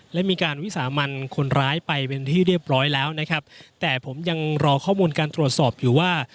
และมีการวิสามันคนร้ายไปเป็นที่เรียบร้อยแล้วนะครับแต่ผมยังรอข้อมูลการตรวจสอบอยู่ว่า